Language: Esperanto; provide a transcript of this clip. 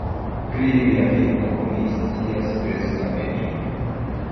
Pri lia vivo oni scias preskaŭ nenion.